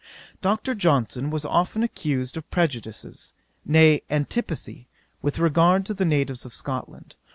'Dr. Johnson was often accused of prejudices, nay, antipathy, with regard to the natives of Scotland.